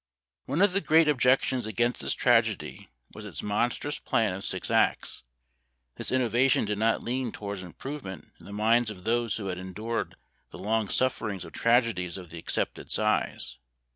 One of the great objections against this tragedy was its monstrous plan of six acts; this innovation did not lean towards improvement in the minds of those who had endured the long sufferings of tragedies of the accepted size.